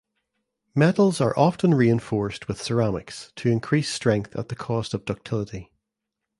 Metals are often reinforced with ceramics to increase strength at the cost of ductility.